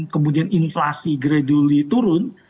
kemudian inflasi gradually turun